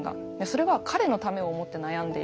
それは彼のためを思って悩んでいる。